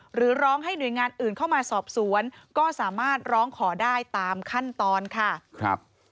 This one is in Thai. หรือร้องให้หน่วยงานอื่นเข้ามาสอบสวนก็สามารถร้องขอได้ตามขั้นตอนค่ะครับ